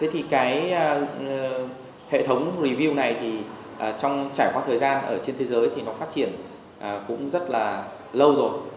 thì cái hệ thống review này thì trong trải qua thời gian ở trên thế giới thì nó phát triển cũng rất là lâu rồi